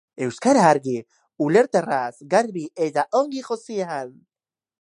Euskara argi, ulerterraz, garbi eta ongi josian.